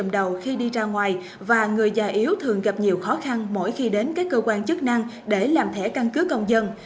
những người già yếu thường gặp nhiều khó khăn mỗi khi đến các cơ quan chức năng để làm thẻ căn cứ công dân